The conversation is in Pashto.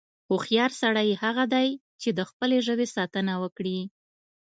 هوښیار سړی هغه دی، چې د خپلې ژبې ساتنه وکړي.